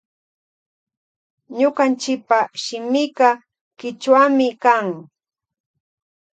Ñukanchipa shimika kichwami kan.